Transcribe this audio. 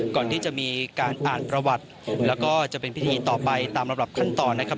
ก่อนที่จะมีการอ่านประวัติแล้วก็จะเป็นพิธีต่อไปตามระดับขั้นตอนนะครับ